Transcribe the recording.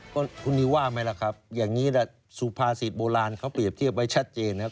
ก็คุณนิวว่าไหมล่ะครับอย่างนี้แหละสุภาษิตโบราณเขาเปรียบเทียบไว้ชัดเจนนะครับ